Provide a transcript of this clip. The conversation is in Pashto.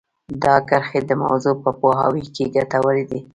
دا کرښې د موضوع په پوهاوي کې ګټورې دي